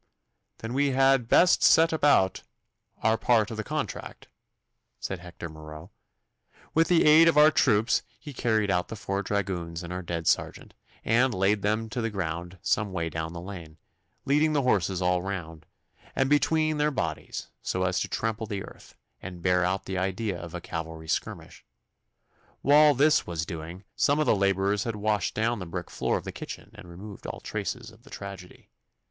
'Then we had best set about our part of the contract,' said Hector Marot. With the aid of our troopers he carried out the four dragoons and our dead sergeant, and laid them on the ground some way down the lane, leading the horses all round and between their bodies, so as to trample the earth, and bear out the idea of a cavalry skirmish. While this was doing, some of the labourers had washed down the brick floor of the kitchen and removed all traces of the tragedy.